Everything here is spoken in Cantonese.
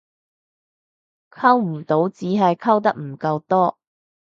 溝唔到只係溝得唔夠多